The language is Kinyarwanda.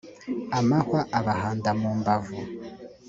amahwa abahanda mu mbavu.